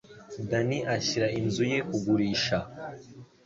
Dani ashyira inzu ye kugurisha.